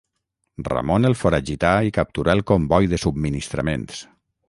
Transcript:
Ramon el foragità i capturà el comboi de subministraments.